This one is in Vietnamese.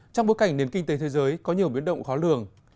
trong bối cảnh nền kinh tế thế giới có nhiều biến động khó lường